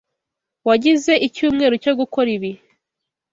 Wagize icyumweru cyo gukora ibi.